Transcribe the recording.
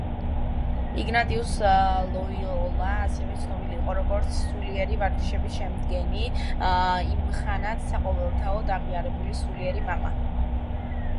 იგნატიუს ლოიოლა ასევე ცნობილი იყო როგორც სულიერი ვარჯიშების შემდგენი, იმხანად საყოველთაოდ აღიარებული სულიერი მამა.